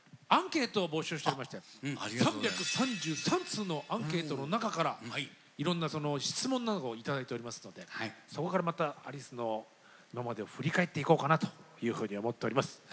３３３通のアンケートの中からいろんな質問などを頂いておりますのでそこからまたアリスの今までを振り返っていこうかなというふうに思っております。